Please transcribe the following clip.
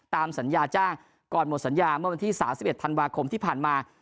ตามสัญญาจ้างก่อนหมดสัญญาเมื่อวันที่๓๑ธันวาคมที่ผ่านมา